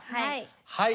はい。